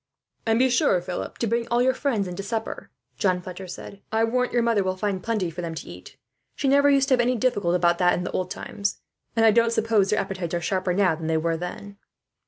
"And be sure, Philip, to bring all your friends in to supper," John Fletcher said. "I warrant your mother will find plenty for them to eat. She never used to have any difficulty about that, in the old times; and I don't suppose their appetites are sharper, now, than they were then."